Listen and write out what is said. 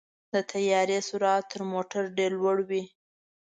د طیارې سرعت تر موټرو ډېر لوړ وي.